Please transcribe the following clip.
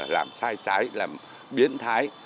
làm sai trái làm biến thái